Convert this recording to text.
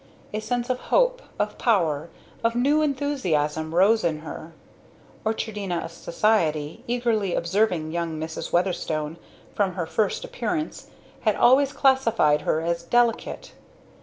A sense of hope, of power, of new enthusiasm, rose in her. Orchardina Society, eagerly observing "young Mrs. Weatherstone" from her first appearance, had always classified her as "delicate."